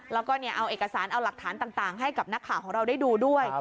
แล้วก็เอาเอกสารเอาหลักฐานต่างให้กับนักข่าวของเราได้ดูด้วย